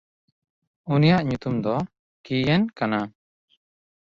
ᱩᱱᱤᱭᱟᱜ ᱧᱩᱛᱩᱢ ᱫᱚ ᱠᱤᱭᱮᱱ ᱠᱟᱱᱟ᱾